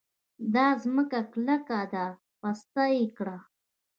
دا ځمکه کلکه ده؛ پسته يې کړه.